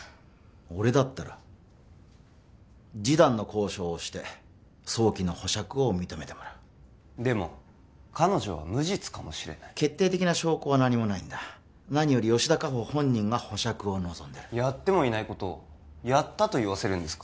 俺だったら示談の交渉をして早期の保釈を認めてもらうでも彼女は無実かもしれない決定的な証拠は何もない何より吉田果歩本人が保釈を望んでるやってもいないことをやったと言わせるんですか？